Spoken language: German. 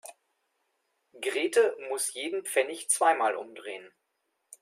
Grete muss jeden Pfennig zweimal umdrehen.